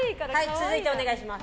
続いてお願いします。